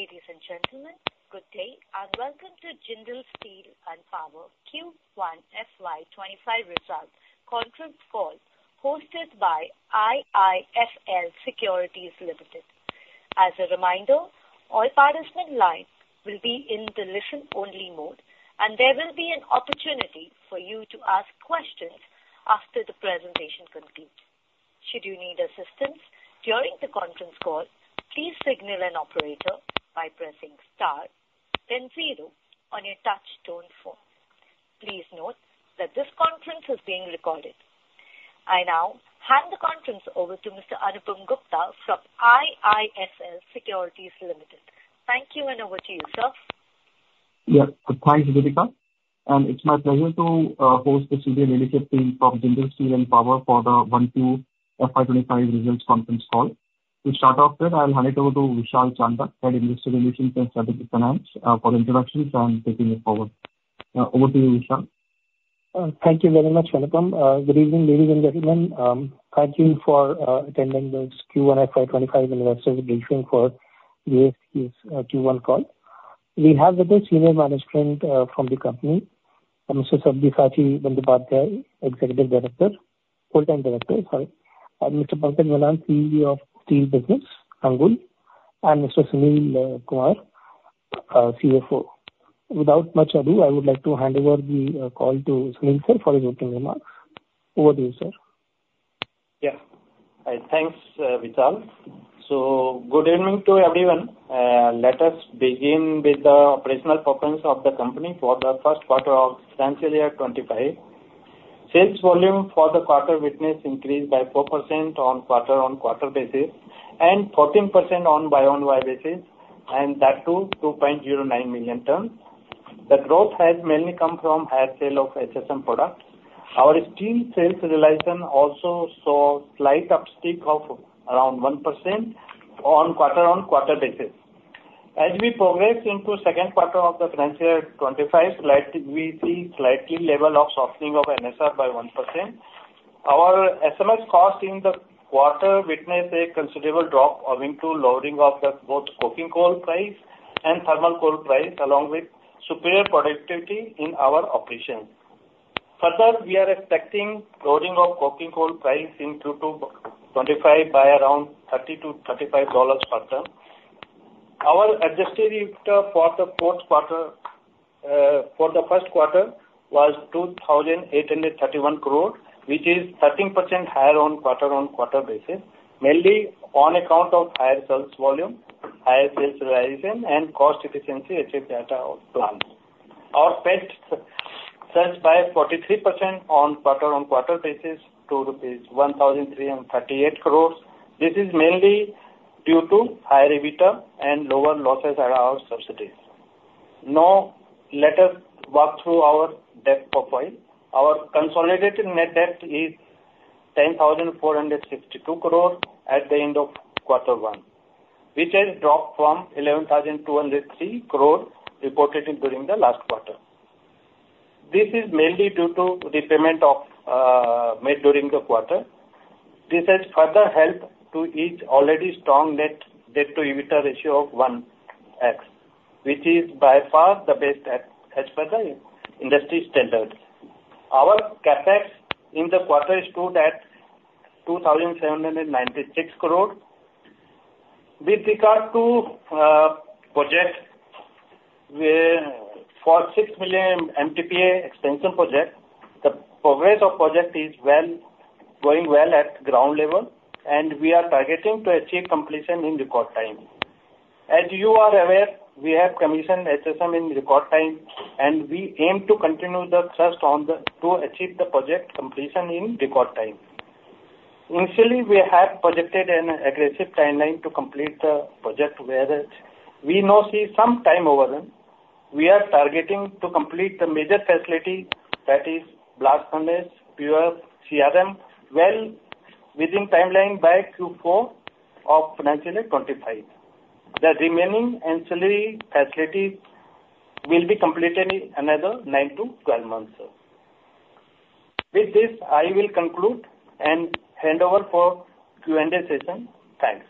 Ladies and gentlemen, good day, and welcome to Jindal Steel and Power Q1 FY 2025 Results Conference Call, hosted by IIFL Securities Limited. As a reminder, all participant lines will be in the listen-only mode, and there will be an opportunity for you to ask questions after the presentation concludes. Should you need assistance during the conference call, please signal an operator by pressing star then zero on your touch tone phone. Please note that this conference is being recorded. I now hand the conference over to Mr. Anupam Gupta from IIFL Securities Limited. Thank you, and over to you, sir. Yeah. Thanks, Deepika, and it's my pleasure to host the senior leadership team from Jindal Steel and Power for the Q1 FY 2025 results conference call. To start off with, I'll hand it over to Vishal Chandak, Head Investor Relations and Strategic Finance, for introductions and taking it forward. Over to you, Vishal. Thank you very much, Anupam. Good evening, ladies and gentlemen. Thank you for attending this Q1 FY 2025 investor briefing for JSP's Q1 call. We have the best senior management from the company, Mr. Sabyasachi Bandyopadhyay, Executive Director, Full-Time Director, sorry, Mr. Pankaj Malhan, CEO of Steel Business and Power, and Mr. Sunil Kumar, CFO. Without much ado, I would like to hand over the call to Sunil Kumar, for his opening remarks. Over to you, sir. Yeah. Thanks, Vishal. So good evening to everyone. Let us begin with the operational performance of the company for the first quarter of financial year 2025. Sales volume for the quarter witnessed increase by 4% on quarter-on-quarter basis and 14% on year-over-year basis, and that too 2.09 million tons. The growth has mainly come from higher sale of HSM products. Our steel sales realization also saw slight uptick of around 1% on quarter-on-quarter basis. As we progress into second quarter of the financial year 2025, we see slightly level of softening of NSR by 1%. Our SMS cost in the quarter witnessed a considerable drop owing to lowering of both coking coal price and thermal coal price, along with superior productivity in our operations. Further, we are expecting lowering of coking coal price in Q2 2025 by around $30-$35 per ton. Our adjusted EBITDA for the fourth quarter, for the first quarter was 2,831 crore, which is 13% higher on quarter-on-quarter basis, mainly on account of higher sales volume, higher sales realization, and cost efficiency, et cetera, et al. Our PAT surged by 43% on quarter-on-quarter basis to rupees 1,338 crores. This is mainly due to higher EBITDA and lower losses around subsidies. Now, let us walk through our debt profile. Our consolidated net debt is 10,462 crores at the end of quarter 1, which has dropped from 11,203 crores reported during the last quarter. This is mainly due to the payment made during the quarter. This has further helped to reach already strong net debt to EBITDA ratio of 1x, which is by far the best at, as per the industry standards. Our CapEx in the quarter stood at 2,796 crore. With regard to project, wherein 6 million MTPA expansion project, the progress of project is well, going well at ground level, and we are targeting to achieve completion in record time. As you are aware, we have commissioned HSM in record time, and we aim to continue the thrust on the, to achieve the project completion in record time. Initially, we had projected an aggressive timeline to complete the project, where we now see some time overrun. We are targeting to complete the major facility, that is blast furnace, power, CRM, well within timeline by Q4 of financial year 2025. The remaining ancillary facilities will be completed in another nine months-12 months. With this, I will conclude and hand over for Q&A session. Thanks.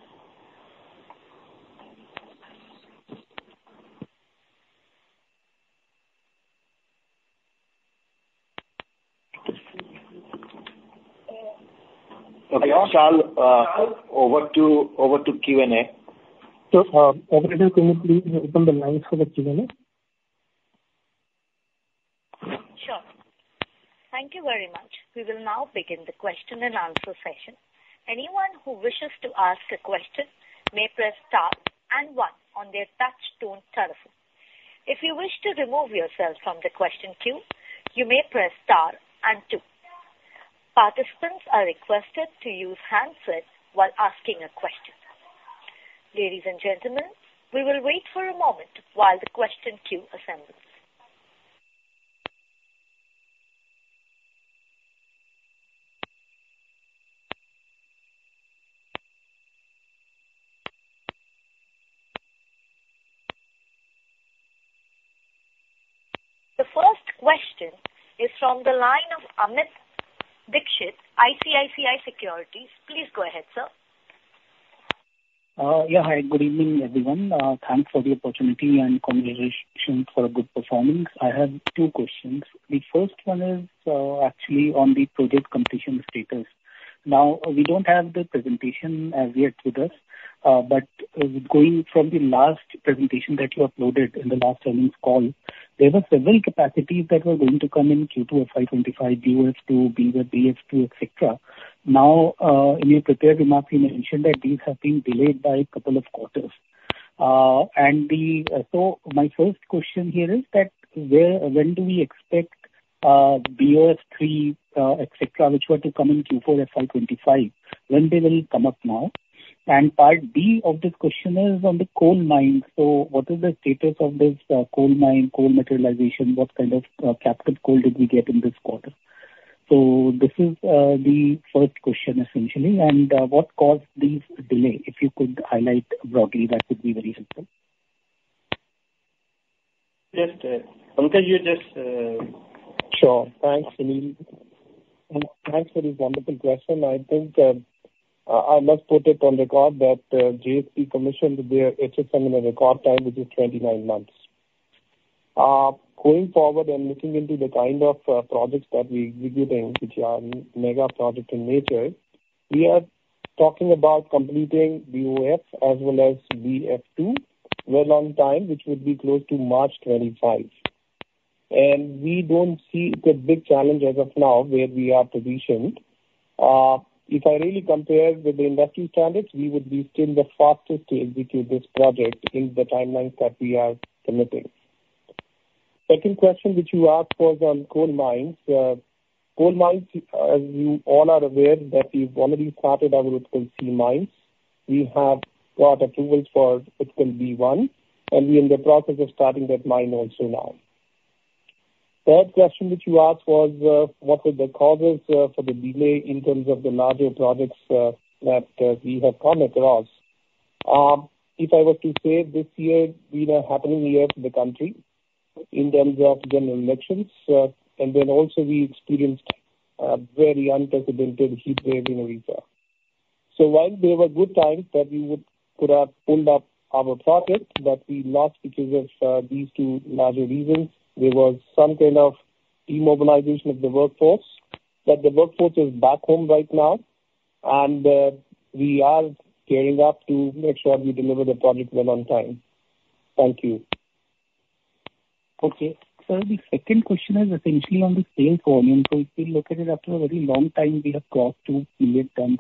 Okay, Vishal, over to Q&A. So, operator, can you please open the lines for the Q&A? Sure. Thank you very much. We will now begin the question and answer session. Anyone who wishes to ask a question may press star and one on their touch tone telephone. If you wish to remove yourself from the question queue, you may press star and two. Participants are requested to use handset while asking a question. Ladies and gentlemen, we will wait for a moment while the question queue assembles... Question is from the line of Amit Dixit, ICICI Securities. Please go ahead, sir. Yeah, hi, good evening, everyone. Thanks for the opportunity and congratulations for a good performance. I have two questions. The first one is, actually, on the project completion status. Now, we don't have the presentation as yet with us, but going from the last presentation that you uploaded in the last earnings call, there were several capacities that were going to come in Q2 of FY 2025, BOF 2, BF 2, et cetera. Now, in your prepared remarks, you mentioned that these have been delayed by a couple of quarters. So my first question here is that when do we expect, BOF 3, et cetera, which were to come in Q4 FY 2025, when they will come up now? And part B of this question is on the coal mine. What is the status of this coal mine, coal materialization? What kind of captured coal did we get in this quarter? This is the first question essentially. What caused this delay? If you could highlight broadly, that would be very helpful. Just, Pankaj, you just, Sure. Thanks, Sunil, and thanks for this wonderful question. I think, I, I must put it on record that, JSP commissioned their HSM in a record time, which is 29 months. Going forward and looking into the kind of projects that we are executing, which are mega project in nature, we are talking about completing BOF as well as BF 2 well on time, which would be close to March 2025. And we don't see it a big challenge as of now where we are positioned. If I really compare with the industry standards, we would be still the fastest to execute this project in the timelines that we have committed. Second question, which you asked was on coal mines. Coal mines, as you all are aware, that we've already started our Utkal C mines. We have got approvals for Utkal B1, and we're in the process of starting that mine also now. Third question which you asked was, what were the causes for the delay in terms of the larger projects that we have come across? If I were to say this year, we were happening here to the country in terms of general elections, and then also we experienced a very unprecedented heat wave in Odisha. So while there were good times that we could have pulled up our project, but we not because of these two major reasons, there was some kind of immobilization of the workforce. But the workforce is back home right now, and we are gearing up to make sure we deliver the project well on time. Thank you. Okay. Sir, the second question is essentially on the sales volume. So if we look at it, after a very long time, we have crossed 2 million tons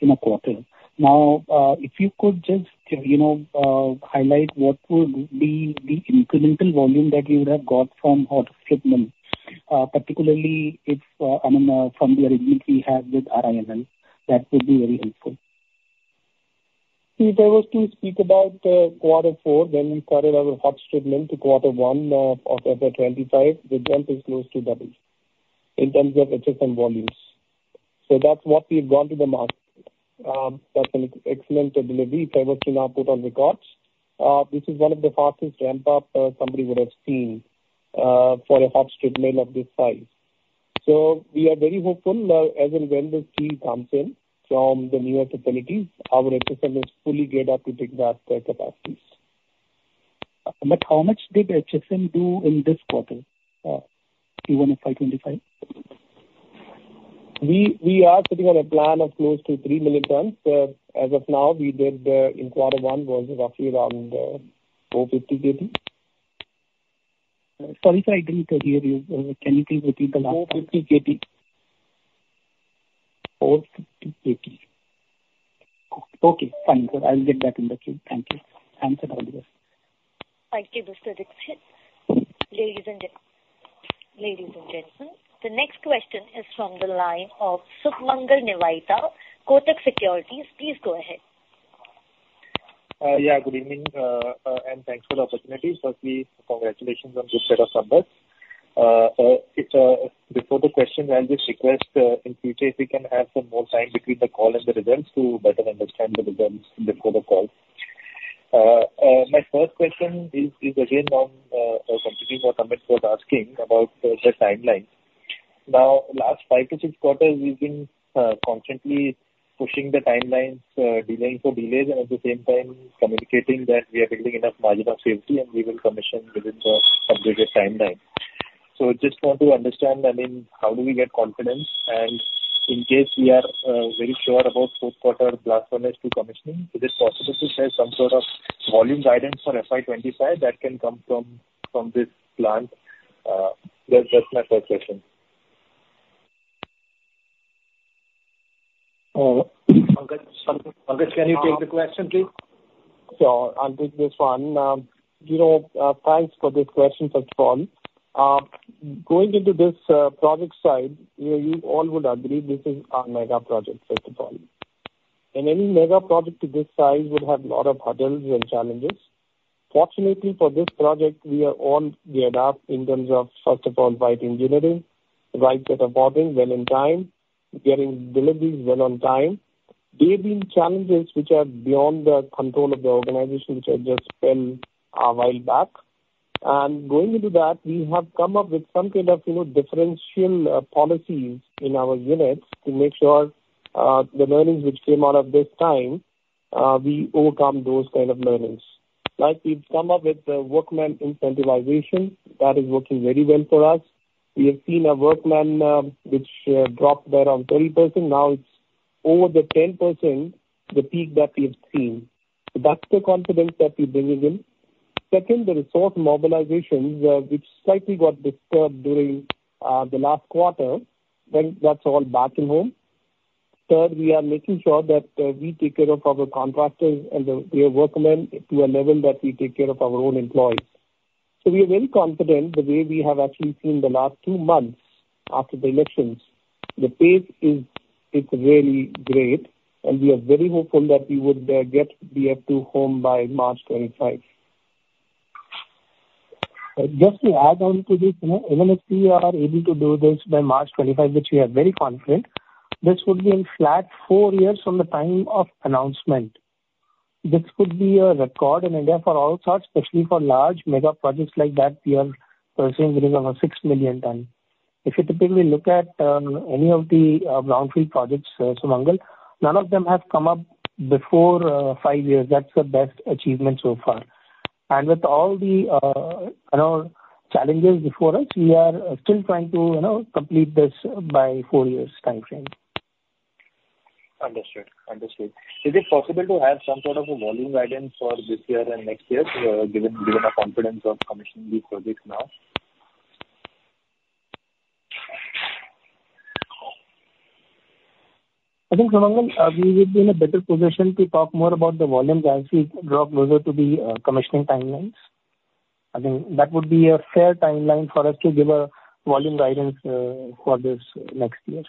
in a quarter. Now, if you could just, you know, highlight what would be the incremental volume that you would have got from hot strip mill, particularly if, I mean, from the arrangement we have with RINL, that would be very helpful. If I was to speak about quarter four, then we started our hot strip mill to quarter one of FY 25. The jump is close to double in terms of HSM volumes. So that's what we have gone to the market. That's an excellent delivery if I were to now put on records. This is one of the fastest ramp-up somebody would have seen for a hot strip mill of this size. So we are very hopeful as and when the steel comes in from the newer facilities, our HSM is fully geared up to take that capacities. How much did HSM do in this quarter, Q1 FY 25? We are sitting on a plan of close to 3 million tons. As of now, we did in quarter one, was roughly around 450 KT. Sorry, sir, I didn't hear you. Can you please repeat the last one? 450 KT. 450 KT. Okay, fine. I'll get that in the Q. Thank you. Thanks for all this. Thank you, Mr. Dixit. Ladies and gentlemen, the next question is from the line of Sumangal Nevatia, Kotak Securities. Please go ahead. Yeah, good evening. And thanks for the opportunity. Firstly, congratulations on the set of numbers. Before the question, I'll just request, in future, if we can have some more time between the call and the results to better understand the results before the call. My first question is again on continuing what Amit was asking about the timelines. Now, last 5-6 quarters, we've been constantly pushing the timelines, delaying for delays, and at the same time communicating that we are building enough margin of safety, and we will commission within the upgraded timeline. So just want to understand, I mean, how do we get confidence? In case we are very sure about fourth quarter blast furnace two commissioning, is it possible to say some sort of volume guidance for FY 25 that can come from this plant? That's my first question. Pankaj, Pankaj, can you take the question, please? Sure. I'll take this one. You know, thanks for this question, first of all. Going into this project side, you all would agree this is our mega project, first of all. And any mega project to this size would have a lot of hurdles and challenges. Fortunately, for this project, we are all geared up in terms of, first of all, right engineering, right set of ordering well in time, getting deliveries well on time.... There have been challenges which are beyond the control of the organization, which I just explained a while back. And going into that, we have come up with some kind of, you know, differential policies in our units to make sure the learnings which came out of this time we overcome those kind of learnings. Like we've come up with a workmen incentivization, that is working very well for us. We have seen a workman, which dropped around 10%, now it's over the 10%, the peak that we have seen. So that's the confidence that we're bringing in. Second, the resource mobilizations, which slightly got disturbed during the last quarter, then that's all back in home. Third, we are making sure that we take care of our contractors and the, their workmen to a level that we take care of our own employees. So we are very confident the way we have actually seen the last two months after the elections. The pace is really great, and we are very hopeful that we would get BF2 home by March 2025. Just to add on to this, you know, even if we are able to do this by March 2025, which we are very confident, this would be in flat 4 years from the time of announcement. This could be a record in India for all such, especially for large mega projects like that we are pursuing within over 6 million tons. If you typically look at any of the brownfield projects, Sumangal, none of them have come up before 5 years. That's the best achievement so far. And with all the, you know, challenges before us, we are still trying to, you know, complete this by 4 years timeframe. Understood. Understood. Is it possible to have some sort of a volume guidance for this year and next year, given the confidence of commissioning the project now? I think, Sumangal, we would be in a better position to talk more about the volumes as we draw closer to the, commissioning timelines. I think that would be a fair timeline for us to give a volume guidance, for this next year.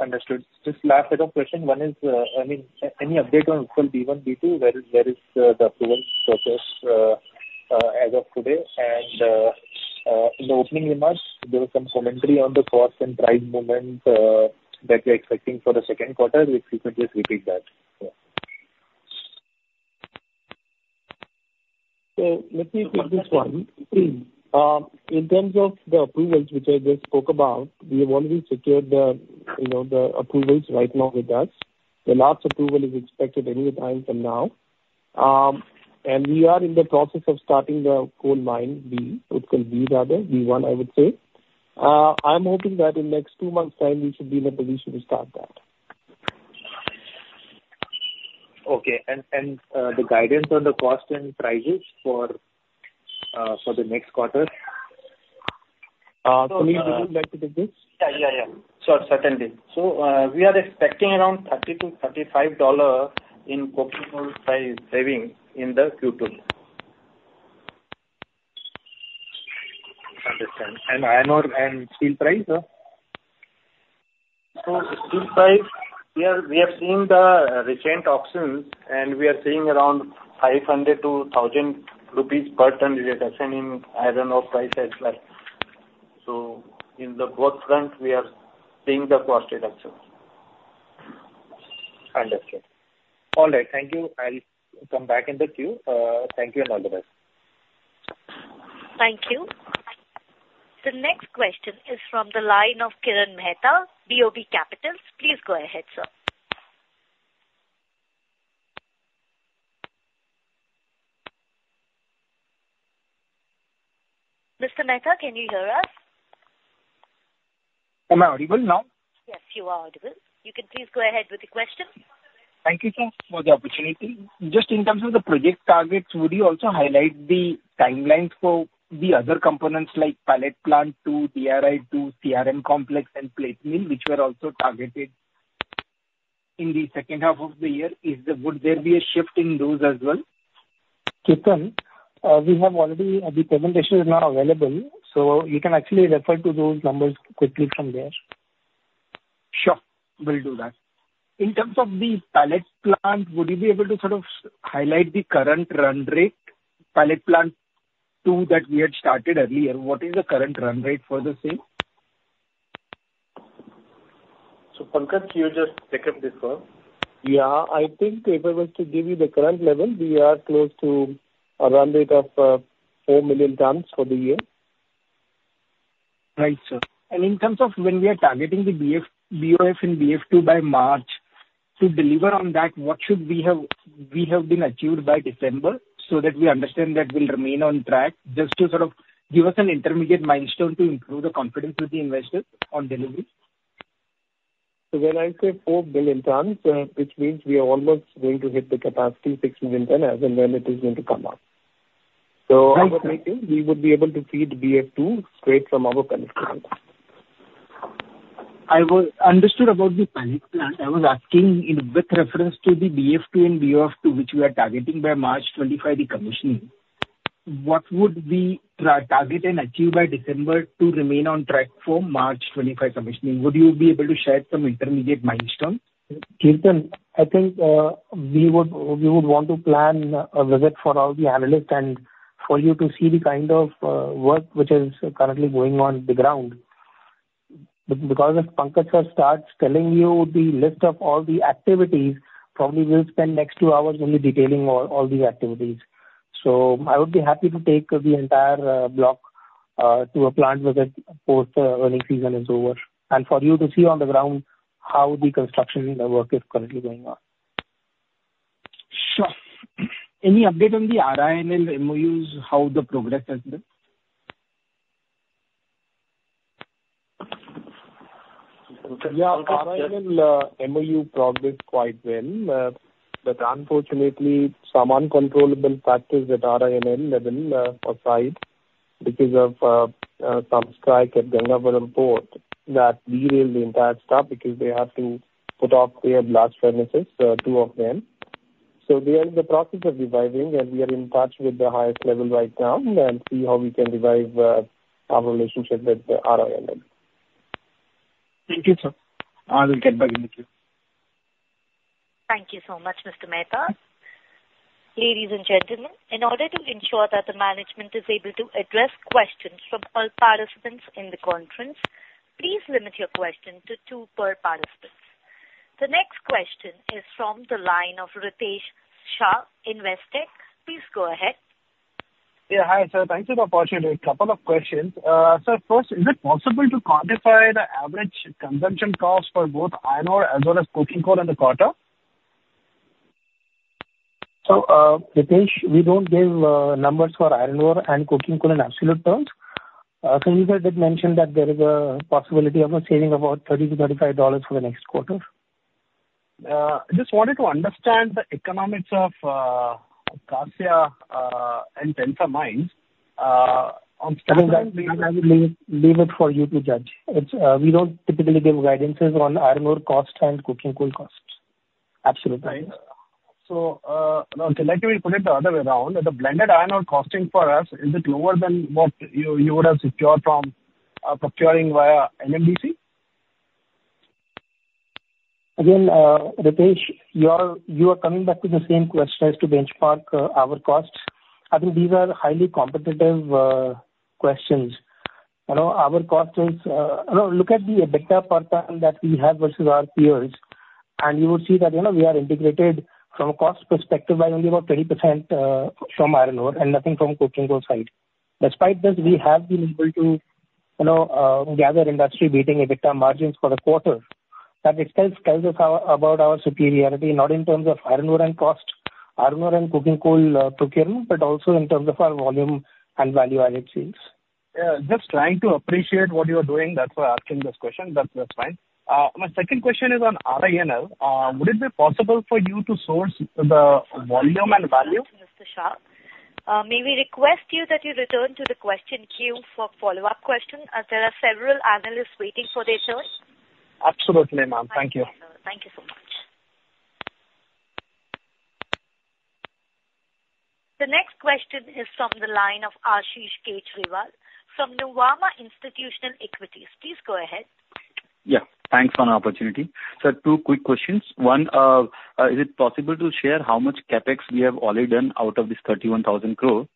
Understood. Just last set of question. One is, I mean, any update on coal B1, B2, where is the approval process as of today? And, in the opening remarks, there was some commentary on the cost and price movement that you're expecting for the second quarter, if you could just repeat that? Yeah. So let me take this one. In terms of the approvals, which I just spoke about, we have already secured the, you know, the approvals right now with us. The last approval is expected any time from now. And we are in the process of starting the coal mine B, so it's called B rather, B1, I would say. I'm hoping that in next two months' time we should be in a position to start that. Okay. And the guidance on the cost and prices for the next quarter? Can you repeat that, please? Yeah, yeah, yeah. Sure, certainly. So, we are expecting around $30-$35 in coking coal price saving in the Q2. Understood. Iron ore and steel price? So steel price, we are, we are seeing the recent auctions, and we are seeing around 500-1,000 rupees per ton reduction in iron ore price as well. So in the both front, we are seeing the cost reduction. Understood. All right, thank you. I'll come back in the queue. Thank you and all the best. Thank you. The next question is from the line of Kirtan Mehta, BOB Capital Markets. Please go ahead, sir. Mr. Mehta, can you hear us? Am I audible now? Yes, you are audible. You can please go ahead with your question. Thank you, sir, for the opportunity. Just in terms of the project targets, would you also highlight the timelines for the other components like pellet plant two, DRI two, CRM complex and plate mill, which were also targeted in the second half of the year? Would there be a shift in those as well? Kirtan, we have already, the presentation is now available, so you can actually refer to those numbers quickly from there. Sure, will do that. In terms of the pellet plant, would you be able to sort of highlight the current run rate, pellet plant two that we had started earlier? What is the current run rate for the same? So Pankaj, can you just take up this one? Yeah, I think we are able to give you the current level. We are close to a run rate of 4 million tons for the year. Right, sir. And in terms of when we are targeting the BF-BOF and BF2 by March, to deliver on that, what should we have achieved by December so that we understand that we'll remain on track, just to sort of give us an intermediate milestone to improve the confidence with the investors on delivery. When I say 4 billion tons, which means we are almost going to hit the capacity, 6 million ton, as and when it is going to come up. Right. Ultimately, we would be able to feed BF2 straight from our pellet plant. I understood about the pellet plant. I was asking with reference to the BF2 and BOF2, which we are targeting by March 2025, the commissioning. What would we target and achieve by December to remain on track for March 2025 commissioning? Would you be able to share some intermediate milestones? Kirtan, I think we would want to plan a visit for all the analysts and for you to see the kind of work which is currently going on the ground. Because if Pankaj starts telling you the list of all the activities, probably we'll spend next two hours only detailing all the activities. So I would be happy to take the entire block to a plant visit post earnings season is over, and for you to see on the ground how the construction work is currently going on. Sure. Any update on the RINL MOUs, how the progress has been? Yeah, RINL MOU progressed quite well. But unfortunately, some uncontrollable factors at RINL level, or site, because of some strike at Gangavaram Port, that derailed the entire stuff because they had to put off their blast furnaces, two of them. So we are in the process of reviving, and we are in touch with the highest level right now, and see how we can revive our relationship with RINL. Thank you, sir. I will get back with you. Thank you so much, Mr. Mehta. Ladies and gentlemen, in order to ensure that the management is able to address questions from all participants in the conference, please limit your question to two per participant. The next question is from the line of Ritesh Shah, Investec. Please go ahead. Yeah, hi, sir. Thanks for the opportunity. A couple of questions. So first, is it possible to quantify the average consumption cost for both iron ore as well as coking coal in the quarter? Ritesh, we don't give numbers for Iron Ore and Coking Coal in absolute terms. Sunil did mention that there is a possibility of a saving about $30-$35 for the next quarter. Just wanted to understand the economics of Gare and Tensa mines, on- I will leave it for you to judge. It's, we don't typically give guidances on iron ore costs and coking coal costs. Absolutely. Right. So, okay, let me put it the other way around. The blended iron ore costing for us, is it lower than what you, you would have secured from, procuring via NMDC? Again, Ritesh, you are, you are coming back to the same question as to benchmark, our costs. I think these are highly competitive, questions. You know, our cost is, you know, look at the EBITDA per ton that we have versus our peers, and you will see that, you know, we are integrated from a cost perspective by only about 30%, from iron ore and nothing from coking coal side. Despite this, we have been able to, you know, gather industry-leading EBITDA margins for the quarter. That itself tells us our, about our superiority, not in terms of iron ore and cost, iron ore and coking coal, procurement, but also in terms of our volume and value-added sales. Yeah, just trying to appreciate what you are doing, that's why I'm asking this question, but that's fine. My second question is on RINL. Would it be possible for you to source the volume and value? Mr. Shah, may we request you that you return to the question queue for follow-up question, as there are several analysts waiting for their turn? Absolutely, ma'am. Thank you. Thank you so much. The next question is from the line of Ashish Kejriwal from Nuvama Institutional Equities. Please go ahead. Yeah, thanks for an opportunity. Sir, two quick questions. One, is it possible to share how much CapEx we have already done out of this 31,000 crore?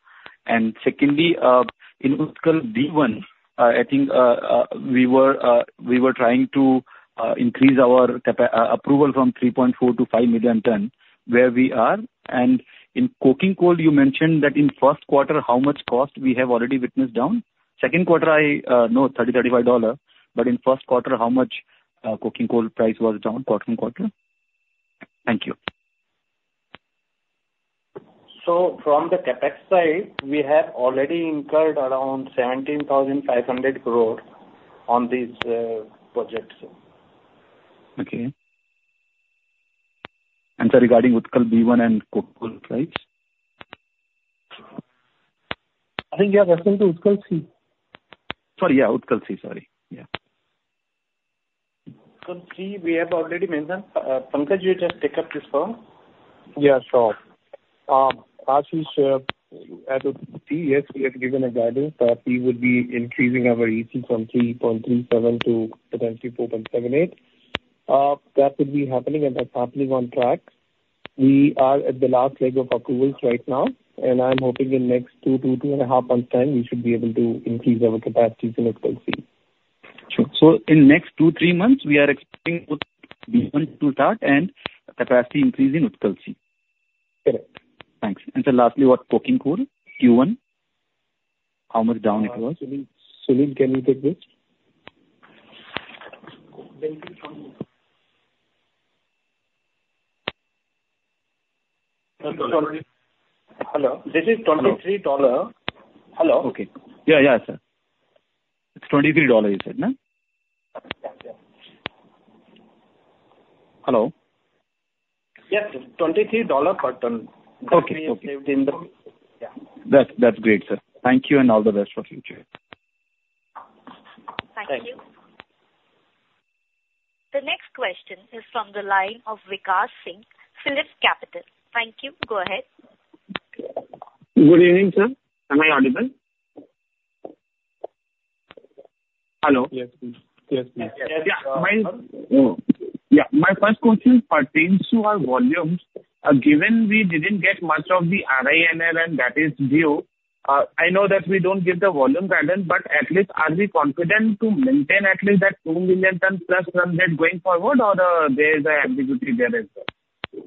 And secondly, in Utkal B1, I think, we were trying to increase our capacity approval from 3.4 to 5 million ton, where we are. And in coking coal, you mentioned that in first quarter, how much cost we have already witnessed down? Second quarter, I know $30-$35, but in first quarter, how much coking coal price was down quarter-on-quarter? Thank you. From the CapEx side, we have already incurred around 17,500 crore on these projects. Okay. Sir, regarding Utkal B1 and coking coal price? I think, yeah, Utkal C. Sorry, yeah, Utkal C. Sorry, yeah. Utkal C, we have already mentioned. Pankaj, you just take up this one. Yeah, sure. Ashish, as for C, yes, we have given a guidance that we would be increasing our EC from 3.37 to potentially 4.78. That would be happening, and that's happening on track. We are at the last leg of approvals right now, and I'm hoping in next two-two and months' time, we should be able to increase our capacities in Utkal C. Sure. So in next two months-two months, we are expecting Utkal B1 to start and capacity increase in Utkal C? Correct. Thanks. Sir, lastly, about coking coal, Q1, how much down it was? Sunil, Sunil, can you take this? Hello, this is $23. Hello? Okay. Yeah, yeah, sir. It's $23 you said, no? Hello? Yes, sir, $23 per ton. Okay. That we have saved in the... Yeah. That's, that's great, sir. Thank you, and all the best for future. Thank you. Thanks. The next question is from the line of Vikas Singh, PhillipCapital. Thank you. Go ahead. Good evening, sir. Am I audible? Hello? Yes, please. Yes. Yeah, fine. Yeah, my first question pertains to our volumes. Given we didn't get much of the RINL and that is due, I know that we don't give the volume guidance, but at least are we confident to maintain at least that 2 million tons plus run rate going forward, or, there is a ambiguity there as well?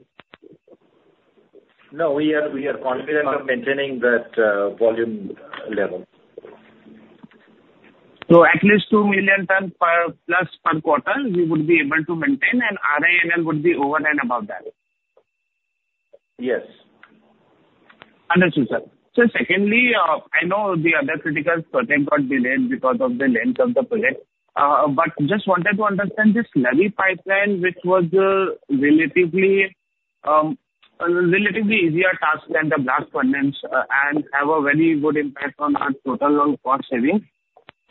No, we are, we are confident of maintaining that volume level. So at least 2 million tons per plus per quarter, we would be able to maintain, and RINL would be over and above that? Yes. Understood, sir. So secondly, I know the other critical project got delayed because of the length of the project, but just wanted to understand the slurry pipeline, which was, relatively, a relatively easier task than the blast furnace, and have a very good impact on our total on cost savings.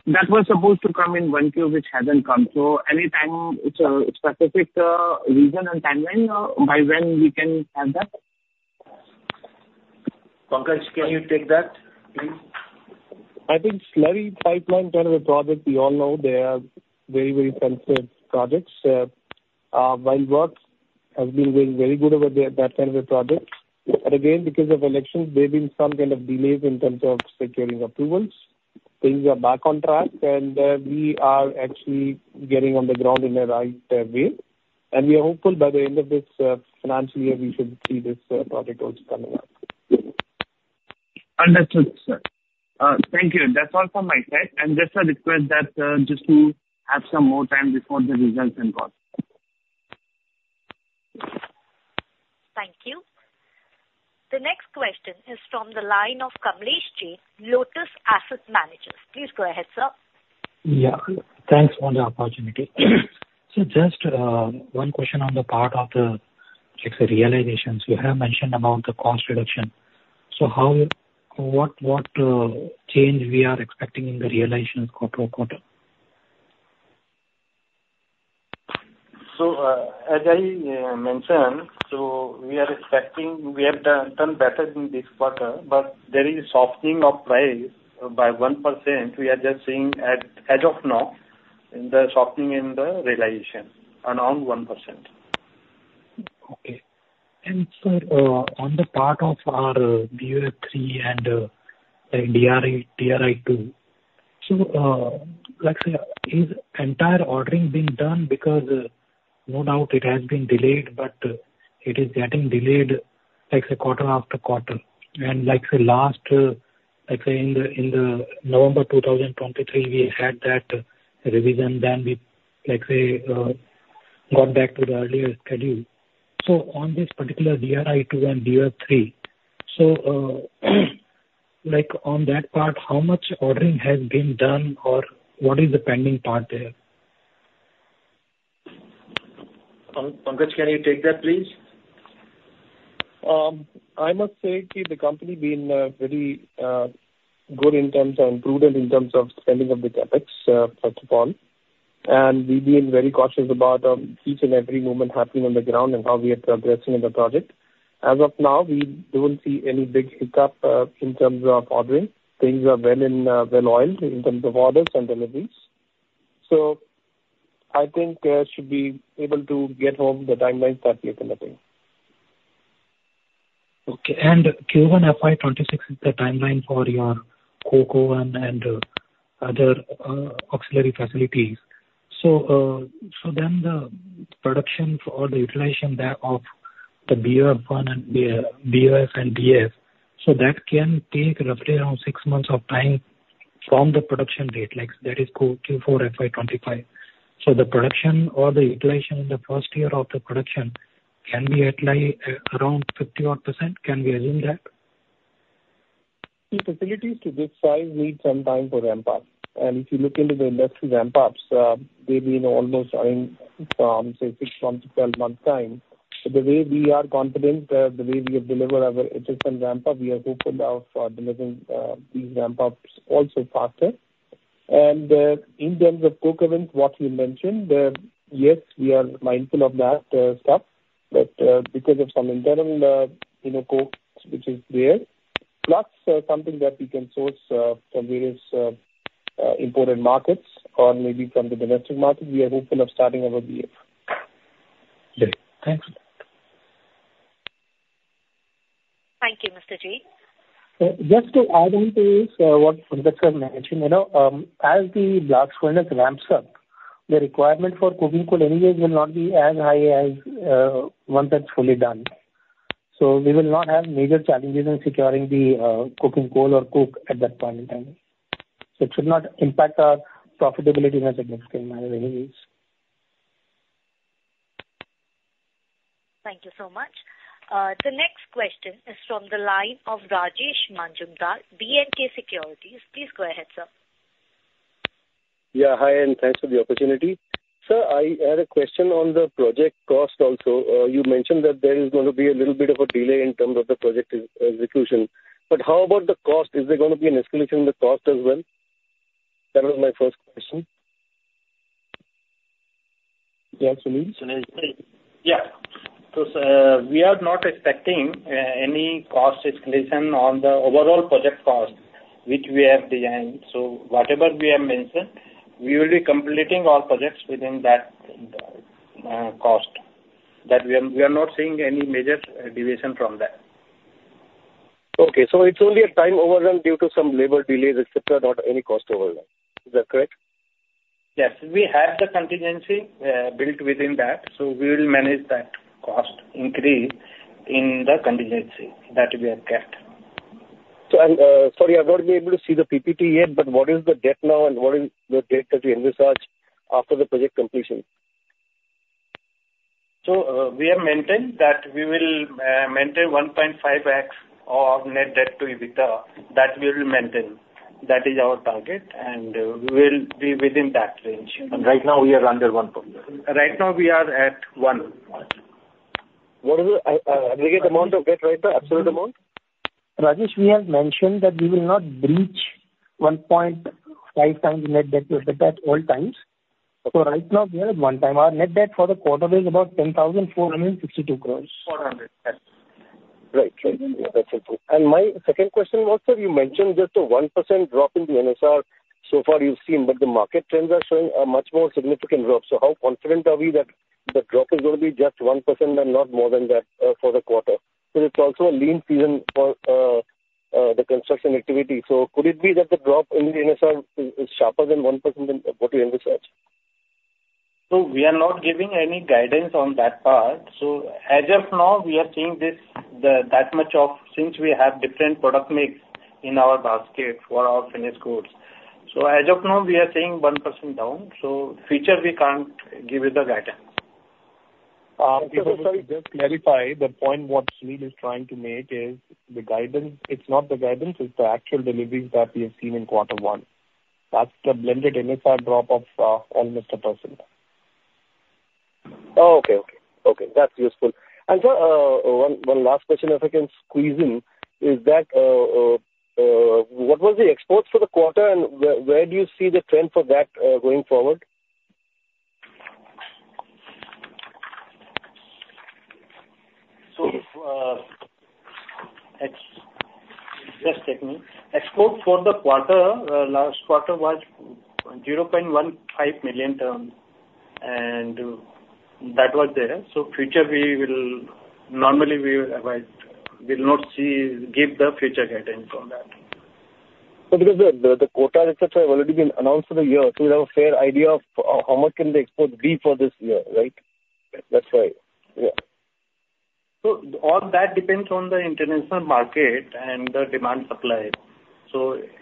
That was supposed to come in one Q, which hasn't come. So any time, specific, reason and timeline, or by when we can have that? Pankaj, can you take that, please? I think slurry pipeline kind of a project, we all know they are very, very sensitive projects. While works has been doing very good that kind of a project, but again, because of elections, there have been some kind of delays in terms of securing approvals. Things are back on track, and we are actually getting on the ground in the right way. And we are hopeful by the end of this financial year, we should see this project also coming up. Understood, sir. Thank you. That's all from my side. And just a request that, just to have some more time before the results. Thank you. The next question is from the line of Kamlesh Jain, Lotus Asset Managers. Please go ahead, sir. Yeah, thanks for the opportunity. So just one question on the part of the, like, say, realizations. You have mentioned about the cost reduction. So how... What change we are expecting in the realization quarter-on-quarter? So, as I mentioned, so we are expecting we have done better in this quarter, but there is softening of price by 1%. We are just seeing at as of now, the softening in the realization around 1%. Okay. And sir, on the part of our BF3 and DRI, DRI-2, so, like, say, is entire ordering being done? Because no doubt it has been delayed, but it is getting delayed, like, say, quarter after quarter. And like, say last, like, say, in the November 2023, we had that revision, then we, like, say, got back to the earlier schedule. So on this particular DRI-2 and BF3, so, like on that part, how much ordering has been done, or what is the pending part there? Pankaj, can you take that, please? I must say the company been very good in terms and prudent in terms of spending of the CapEx, first of all, and we've been very cautious about each and every movement happening on the ground and how we are progressing in the project. As of now, we don't see any big hiccup in terms of ordering. Things are well in well oiled in terms of orders and deliveries. So I think should be able to get home the timelines that we have been looking. Okay. Q1 FY 2026 is the timeline for your coke oven and other auxiliary facilities. So then the production or the utilization there of the BF1 and BF, BF and BF, so that can take roughly around 6 months of time from the production date, like that is Q4 FY 2025. So the production or the utilization in the first year of the production can be at like around 50 odd percent, can we assume that? The facilities to this size need some time for ramp up. And if you look into the industry ramp ups, they've been almost running from, say, six months to 12 months time. The way we are confident, the way we have delivered our existing ramp up, we are hopeful of delivering these ramp ups also faster. And, in terms of coking, what you mentioned, yes, we are mindful of that stuff, but, because of some internal, you know, coke, which is there, plus something that we can source from various imported markets or maybe from the domestic market, we are hopeful of starting our BF. Great. Thanks a lot. Thank you, Mr. Jain. Just to add on to what Pankaj has mentioned, you know, as the blast furnace ramps up, the requirement for coking coal anyways will not be as high as once that's fully done. So we will not have major challenges in securing the coking coal or coke at that point in time. It should not impact our profitability in a significant manner anyways. Thank you so much. The next question is from the line of Rajesh Majumdar, B&K Securities. Please go ahead, sir. Yeah, hi, and thanks for the opportunity. Sir, I had a question on the project cost also. You mentioned that there is going to be a little bit of a delay in terms of the project execution, but how about the cost? Is there going to be an escalation in the cost as well? That was my first question. Yes, please.... So, we are not expecting any cost escalation on the overall project cost, which we have designed. So whatever we have mentioned, we will be completing our projects within that cost. That we are not seeing any major deviation from that. Okay, so it's only a time overrun due to some labor delays, et cetera, not any cost overrun. Is that correct? Yes, we have the contingency built within that, so we will manage that cost increase in the contingency that we have kept. So I'm sorry, I've not been able to see the PPT yet, but what is the debt now and what is the debt that you envisage after the project completion? We have maintained that we will maintain 1.5x net debt to EBITDA. That we will maintain. That is our target, and we will be within that range. Right now we are under one point? Right now we are at one. What is the aggregate amount of debt, right, the absolute amount? Rajesh, we have mentioned that we will not breach 1.5x net debt to EBITDA at all times. So right now we are at 1x. Our net debt for the quarter is about 10,462 crore. 400, yes. Right. Right. Yeah, that's it. And my second question was, sir, you mentioned just a 1% drop in the NSR so far you've seen, but the market trends are showing a much more significant drop. So how confident are we that the drop is gonna be just 1% and not more than that for the quarter? So it's also a lean season for the construction activity. So could it be that the drop in the NSR is sharper than 1% than what we envisaged? So we are not giving any guidance on that part. So as of now, we are seeing this... since we have different product mix in our basket for our finished goods. So as of now, we are seeing 1% down, so future we can't give you the guidance. Sorry, just clarify the point what Sunil is trying to make is the guidance. It's not the guidance, it's the actual deliveries that we have seen in quarter one. That's the blended NSR drop of almost 1%. Oh, okay. Okay. Okay, that's useful. And, sir, one last question, if I can squeeze in, is that what was the exports for the quarter, and where do you see the trend for that, going forward? So, just a minute. Export for the quarter, last quarter was 0.15 million tons, and that was there. So future we will normally we will, we'll not see, give the future guidance on that. But because the quotas et cetera have already been announced for the year, so we have a fair idea of how much can the exports be for this year, right? That's why. Yeah. All that depends on the international market and the demand supply.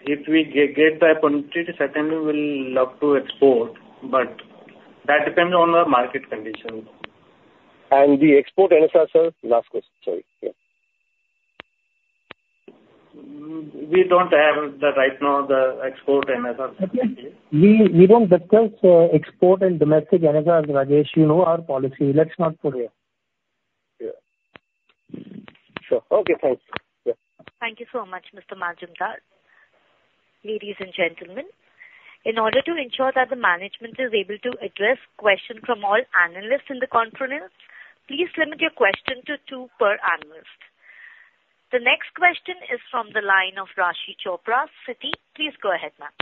If we get the opportunity, certainly we'll love to export, but that depends on the market condition. And the export NSR, sir? Last question, sorry. Yeah. We don't have, right now, the export NSR. We don't discuss export and domestic NSR, Rajesh. You know our policy. Let's not go there. Yeah. Sure. Okay, thanks. Yeah. Thank you so much, Mr. Majumdar. Ladies and gentlemen, in order to ensure that the management is able to address questions from all analysts in the conference, please limit your question to two per analyst. The next question is from the line of Raashi Chopra, Citi. Please go ahead, ma'am.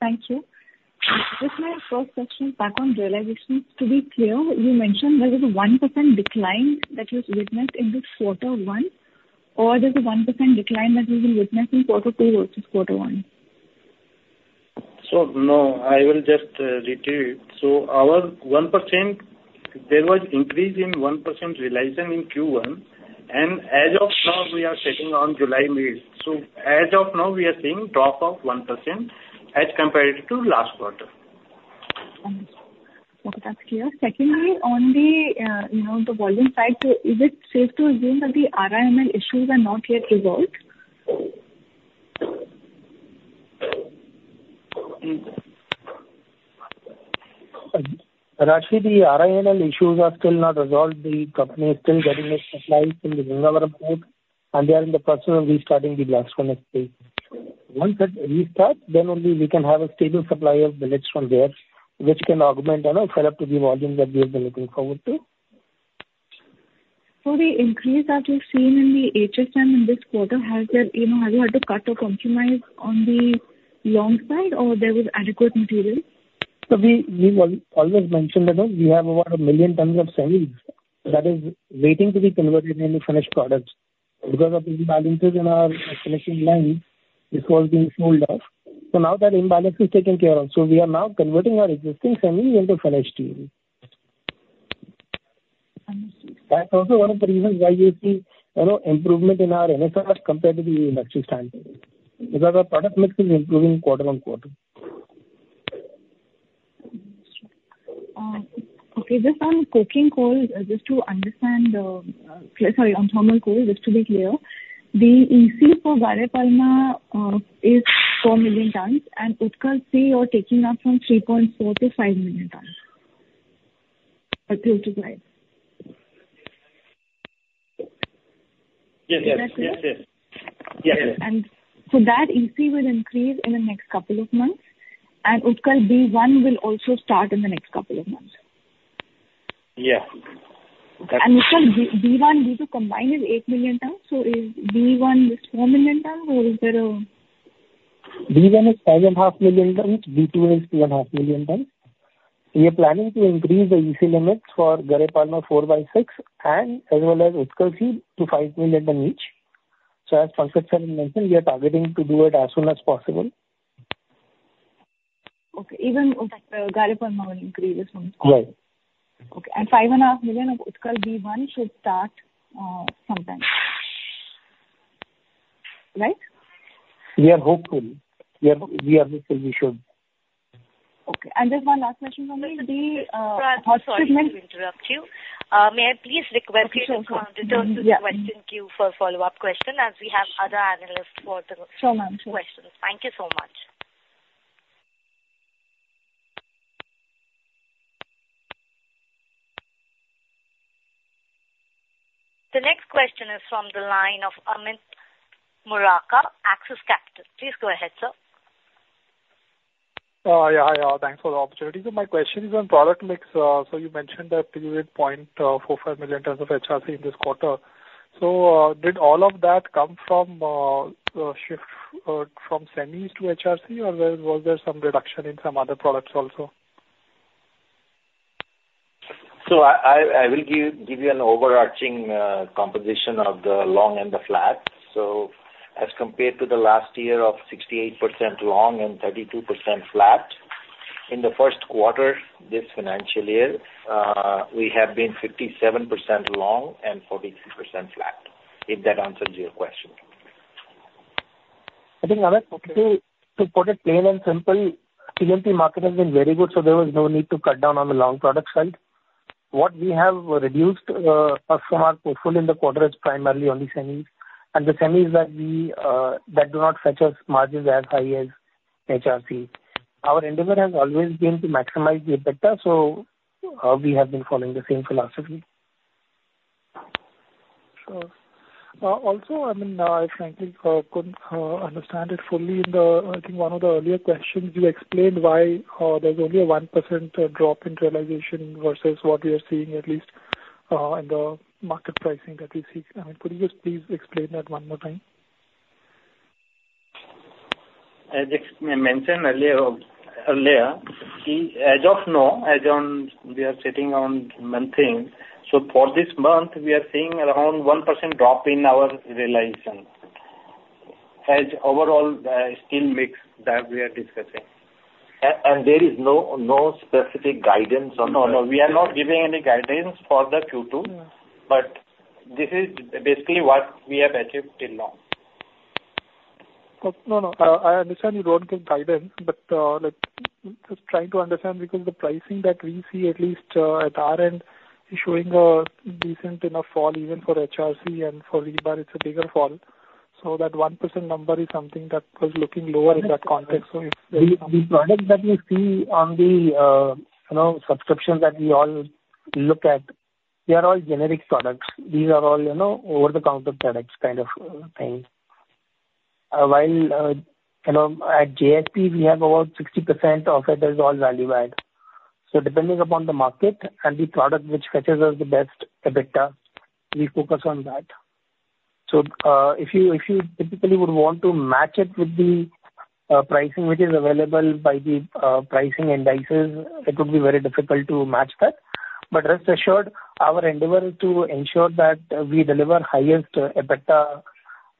Thank you. Just my first question back on realization. To be clear, you mentioned there was a 1% decline that was witnessed in the quarter one, or there's a 1% decline that we will witness in quarter two, versus quarter one? So, no, I will just reiterate. So our 1%, there was increase in 1% realization in Q1, and as of now, we are sitting on July-May. So as of now, we are seeing drop of 1% as compared to last quarter. Understood. Okay, that's clear. Secondly, on the, you know, the volume side, so is it safe to assume that the RINL issues are not yet resolved? Raashi, the RINL issues are still not resolved. The company is still getting its supplies from the Visakhapatnam port, and they are in the process of restarting the blocks from next week. Once it restarts, then only we can have a stable supply of the billets from there, which can augment and fill up to the volumes that we have been looking forward to. The increase that you've seen in the HSM in this quarter, has there, you know, have you had to cut or compromise on the long side, or there was adequate material? So we, we've always mentioned that, we have over 1 million tons of semi, that is waiting to be converted into finished products. Because of the imbalances in our finishing line, this was being slowed down. So now that imbalance is taken care of, so we are now converting our existing semi into finished steel. Understood. That's also one of the reasons why you see, you know, improvement in our NSR compared to the industry standard, because our product mix is improving quarter-on-quarter. Okay. Just on coking coal, just to understand, sorry, on thermal coal, just to be clear, the EC for Gare Palma is 4 million tons, and Utkal C you're taking up from 3.4 million-5 million tons, or 3-5? Yes, yes, yes. Yes. That EC will increase in the next couple of months, and Utkal B1 will also start in the next couple of months? Yeah. You talk about, B1, B2 combined is 8 million tons, so is B1, 4 million tons, or is there a- B1 is 5.5 million tons. B2 is 2.5 million tons. We are planning to increase the EC limits for Gare Palma IV/6, and as well as Utkal C to 5 million tons each. So as Pankaj mentioned, we are targeting to do it as soon as possible. Okay. Even with the Gare Palma will increase as well? Right. Okay. And 5.5 million of Utkal B1 should start sometime, right? We are hopeful. We are, we are hopeful we should. Okay. There's one last question for me today, Sorry to interrupt you. May I please request you to return to the question queue for follow-up question, as we have other analysts for the- Sure, ma'am. Questions. Thank you so much. The next question is from the line of Amit Murarka, Axis Capital. Please go ahead, sir. Yeah, hi, thanks for the opportunity. So my question is on product mix. So you mentioned that you did 0.45 million tons of HRC in this quarter. So, did all of that come from shift from semis to HRC, or was there some reduction in some other products also? So I will give you an overarching composition of the long and the flat. So as compared to the last year of 68% long and 32% flat, in the first quarter this financial year, we have been 57% long and 43% flat, if that answers your question. I think, Amit, to put it plain and simple, TMT market has been very good, so there was no need to cut down on the long product side. What we have reduced from our portfolio in the quarter is primarily on the semis, and the semis that we that do not fetch us margins as high as HRC. Our endeavor has always been to maximize the EBITDA, so we have been following the same philosophy. Sure. Also, I mean, I frankly couldn't understand it fully in the... I think one of the earlier questions you explained why there's only a 1% drop in realization versus what we are seeing, at least, in the market pricing that we see. I mean, could you just please explain that one more time? As I mentioned earlier, as of now, we are sitting on month-end, so for this month, we are seeing around 1% drop in our realization. As overall, steel mix that we are discussing. There is no, no specific guidance on that? No, no, we are not giving any guidance for the Q2, but this is basically what we have achieved till now. No, no, I understand you don't give guidance, but, like, just trying to understand, because the pricing that we see, at least, at our end, is showing a decent enough fall even for HRC and for rebar. It's a bigger fall. So that 1% number is something that was looking lower in that context. So if- The products that we see on the, you know, subscriptions that we all look at, they are all generic products. These are all, you know, over-the-counter products kind of things. While, you know, at JSP, we have about 60% of it is all value add. So depending upon the market and the product which fetches us the best EBITDA, we focus on that. So, if you typically would want to match it with the pricing which is available by the pricing indices, it would be very difficult to match that. But rest assured, our endeavor is to ensure that we deliver highest EBITDA,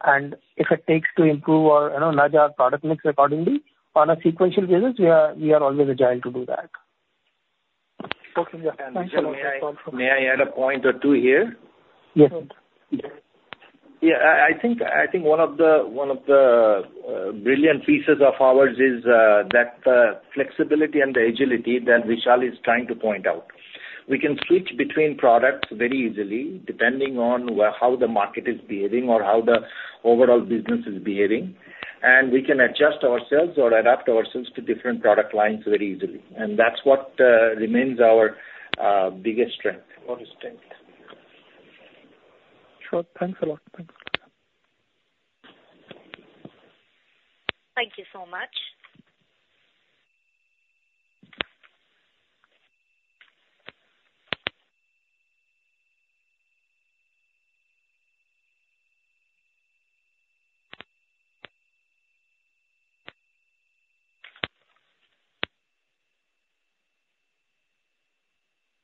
and if it takes to improve our, you know, nudge our product mix accordingly on a sequential basis, we are always agile to do that. Okay, yeah. Thanks a lot. May I, may I add a point or two here? Yes. Yeah, I think one of the brilliant features of ours is that flexibility and agility that Vishal is trying to point out. We can switch between products very easily, depending on how the market is behaving or how the overall business is behaving, and we can adjust ourselves or adapt ourselves to different product lines very easily. That's what remains our biggest strength. Our strength. Sure, thanks a lot. Thank you. Thank you so much.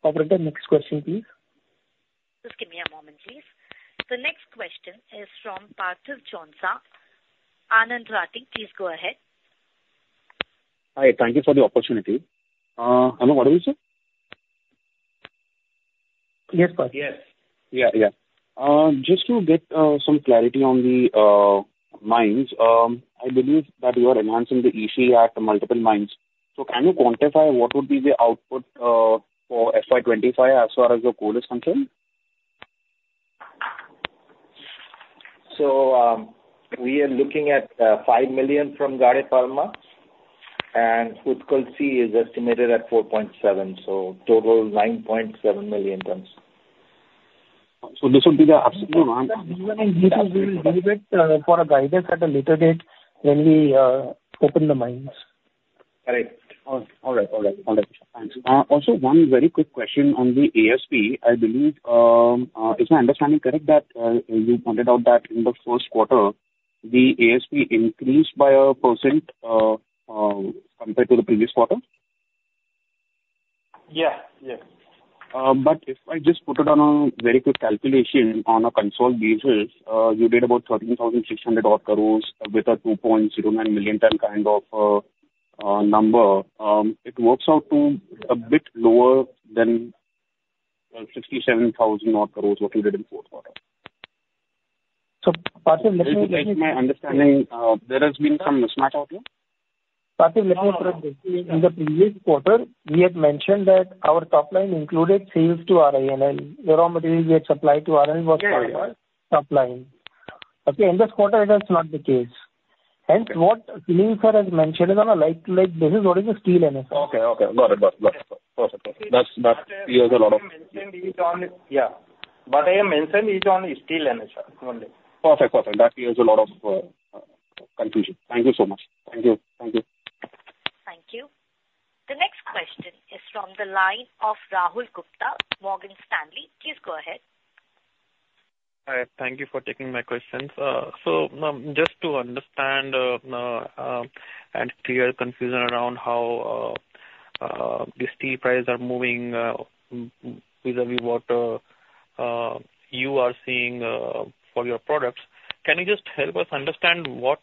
Operator, next question, please. Just give me a moment, please. The next question is from Parthiv Jhonsa, Anand Rathi. Please go ahead. Hi, thank you for the opportunity. Hello, what did you say? Yes, Parthiv. Yes. Yeah, yeah. Just to get some clarity on the mines, I believe that you are enhancing the EC at multiple mines. So can you quantify what would be the output for FY 2025 as far as your goal is concerned? We are looking at 5 million from Gare Palma.... and Utkal C is estimated at 4.7, so total 9.7 million tons. So this would be the- No, no, this is we will deliver it for guidance at a later date when we open the mines. Correct. All right. Thanks. Also one very quick question on the ASP. I believe, is my understanding correct, that you pointed out that in the first quarter, the ASP increased by 1% compared to the previous quarter? Yeah. Yes. But if I just put it on a very quick calculation on a consolidated basis, you did about 13,600 crore with a 2.09 million ton kind of number. It works out to a bit lower than 67,000 crore, what you did in fourth quarter. So, Parthiv, let me- If my understanding, there has been some mismatch out here. Parthiv, let me correct this. In the previous quarter, we had mentioned that our top line included sales to RINL. The raw material we had supplied to RINL was top line. Yeah. Okay, in this quarter, it is not the case. Hence, what Sunil sir has mentioned is on a like-like basis, what is the steel NSR. Okay, okay. Got it. Got it. Perfect. Perfect. That's, that clears a lot of- Mentioned is on it. Yeah, what I mentioned is on steel NSR only. Perfect. Perfect. That clears a lot of confusion. Thank you so much. Thank you. Thank you. Thank you. The next question is from the line of Rahul Gupta, Morgan Stanley. Please go ahead. Hi, thank you for taking my questions. So, just to understand, and clear confusion around how, the steel prices are moving, vis-`a-vis what, you are seeing, for your products, can you just help us understand what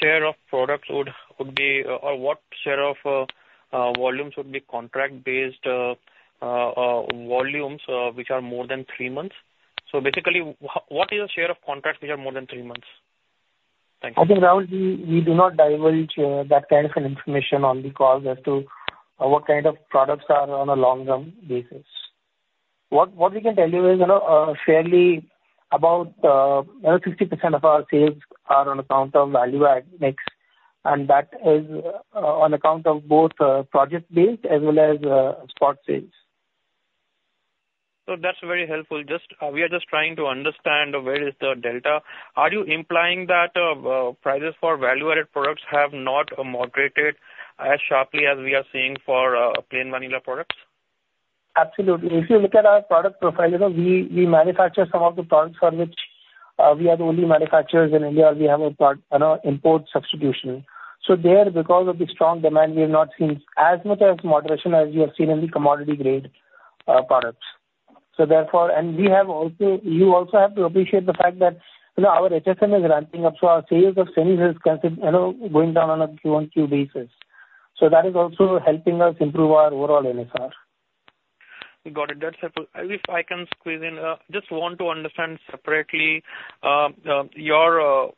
share of products would be, or what share of volumes would be contract-based, volumes, which are more than three months? So basically, what is the share of contracts which are more than three months? Thank you. Okay, Rahul, we do not divulge that kind of an information on the call as to what kind of products are on a long-term basis. What we can tell you is, you know, fairly about 60% of our sales are on account of value add mix, and that is on account of both project-based as well as spot sales. So that's very helpful. Just, we are just trying to understand where is the delta. Are you implying that prices for value-added products have not moderated as sharply as we are seeing for plain vanilla products? Absolutely. If you look at our product profile, you know, we, we manufacture some of the products for which, we are the only manufacturers in India, we have a part, you know, import substitution. So there, because of the strong demand, we have not seen as much as moderation as we have seen in the commodity grade, products. So therefore, and we have also, you also have to appreciate the fact that, you know, our HSM is ramping up, so our sales of semi is kind of, you know, going down on a Q-on-Q basis. So that is also helping us improve our overall NSR. Got it. That's helpful. If I can squeeze in, just want to understand separately, your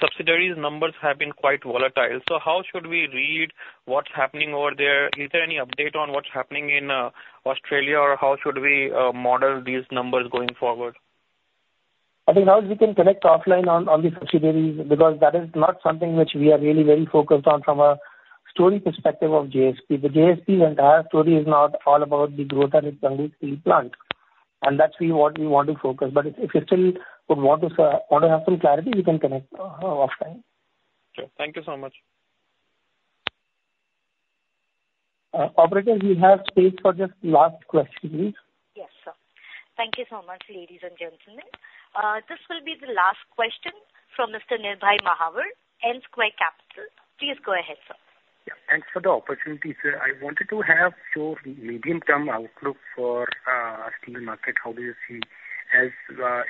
subsidiaries numbers have been quite volatile, so how should we read what's happening over there? Is there any update on what's happening in Australia, or how should we model these numbers going forward? I think, Rahul, we can connect offline on, on the subsidiaries, because that is not something which we are really very focused on from a story perspective of JSP. The JSP entire story is not all about the growth at Vizag steel plant, and that's really what we want to focus. But if, if you still would want to, want to have some clarity, we can connect offline. Sure. Thank you so much. Operator, we have space for just last question, please. Yes, sir. Thank you so much, ladies and gentlemen. This will be the last question from Mr. Nirbhay Mahawar, N Square Capital. Please go ahead, sir. Yeah, thanks for the opportunity, sir. I wanted to have your medium-term outlook for steel market. How do you see as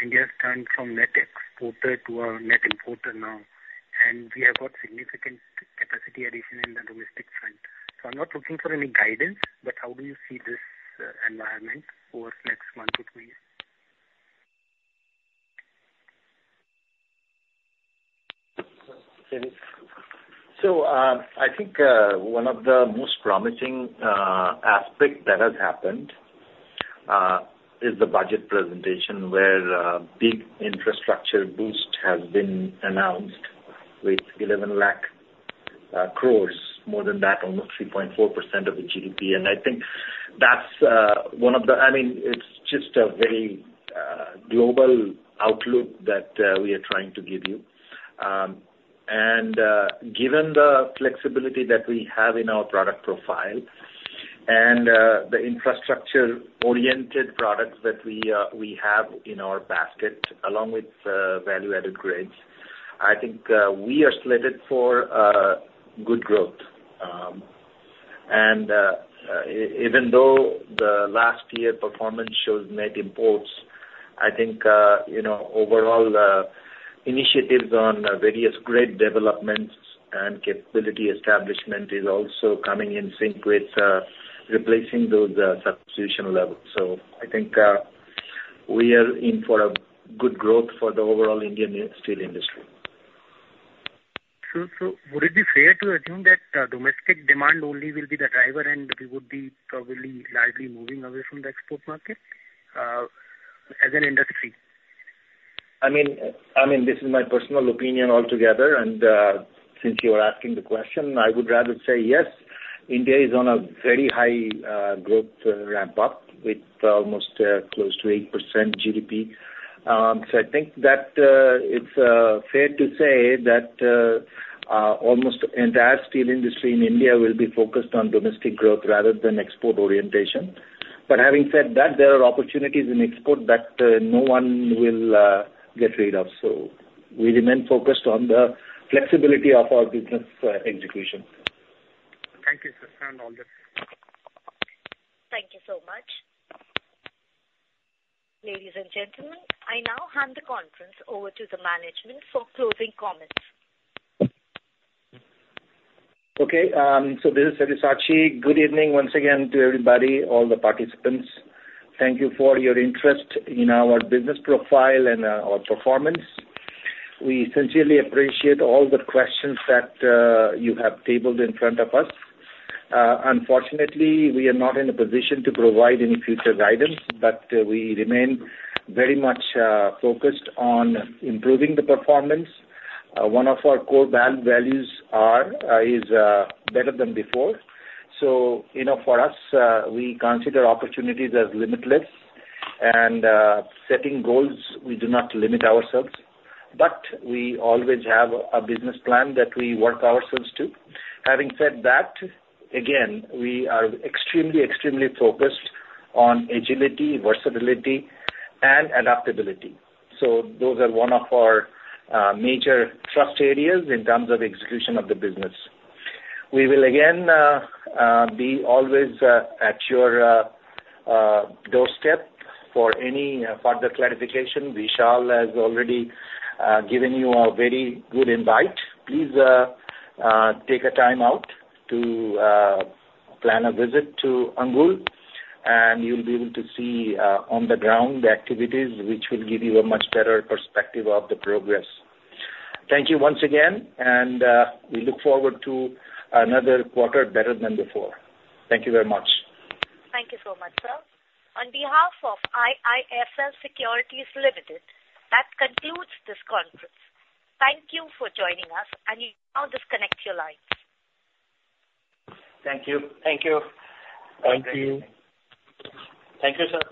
India's turned from net exporter to a net importer now, and we have got significant capacity addition in the domestic front. So I'm not looking for any guidance, but how do you see this environment over the next one-two years? I think one of the most promising aspect that has happened is the budget presentation, where big infrastructure boost has been announced with 1,100,000 crore, more than that, almost 3.4% of the GDP. And I think that's one of the... I mean, it's just a very global outlook that we are trying to give you. And given the flexibility that we have in our product profile and the infrastructure-oriented products that we have in our basket, along with value-added grades, I think we are slated for good growth. Even though the last year performance shows net imports, I think, you know, overall, initiatives on various grade developments and capability establishment is also coming in sync with replacing those substitution levels. So I think, we are in for a good growth for the overall Indian steel industry. So, would it be fair to assume that domestic demand only will be the driver, and we would be probably largely moving away from the export market as an industry? I mean, this is my personal opinion altogether, and since you are asking the question, I would rather say yes, India is on a very high growth ramp up with almost close to 8% GDP. So I think that it's fair to say that almost the entire steel industry in India will be focused on domestic growth rather than export orientation. But having said that, there are opportunities in export that no one will get rid of. So we remain focused on the flexibility of our business execution. Thank you, sir, and all that. Thank you so much. Ladies and gentlemen, I now hand the conference over to the management for closing comments. Okay, so this is Sabyasachi. Good evening once again to everybody, all the participants. Thank you for your interest in our business profile and our performance. We sincerely appreciate all the questions that you have tabled in front of us. Unfortunately, we are not in a position to provide any future guidance, but we remain very much focused on improving the performance. One of our core values is better than before. So, you know, for us, we consider opportunities as limitless and setting goals, we do not limit ourselves, but we always have a business plan that we work ourselves to. Having said that, again, we are extremely, extremely focused on agility, versatility, and adaptability. So those are one of our major trust areas in terms of execution of the business. We will again be always at your doorstep for any further clarification. Vishal has already given you a very good invite. Please take a time out to plan a visit to Angul, and you'll be able to see on the ground activities, which will give you a much better perspective of the progress. Thank you once again, and we look forward to another quarter better than before. Thank you very much. Thank you so much, sir. On behalf of IIFL Securities Limited, that concludes this conference. Thank you for joining us, and you can now disconnect your lines. Thank you. Thank you. Thank you. Thank you, sir.